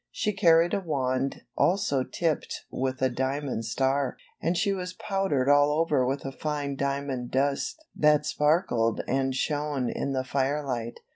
She carried a wand also tipped with a diamond star, and she was powdered all over with a fine diamond dust that sparkled and shone in the firelight.